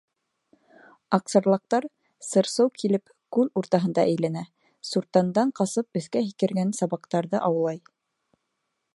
Аҡсарлаҡтар, сыр-сыу килеп, күл уртаһында әйләнә, суртандан ҡасып өҫкә һикергән сабаҡтарҙы аулай.